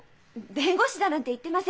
弁護士だなんて言ってません。